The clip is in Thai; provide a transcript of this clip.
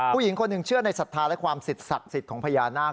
ผู้หญิงคนหนึ่งเชื่อในศรัทธาและความสิทธิ์ศักดิ์สิทธิ์ของพญานาค